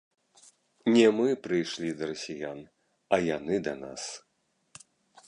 Не мы прыйшлі да расіян, а яны да нас.